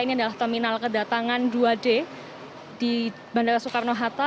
ini adalah terminal kedatangan dua d di bandara soekarno hatta